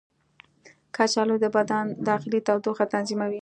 کچالو د بدن داخلي تودوخه تنظیموي.